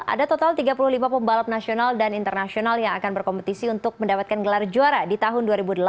ada total tiga puluh lima pembalap nasional dan internasional yang akan berkompetisi untuk mendapatkan gelar juara di tahun dua ribu delapan belas